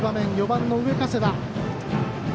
４番、上加世田。